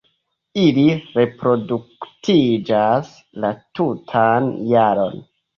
Ili reproduktiĝas la tutan jaron.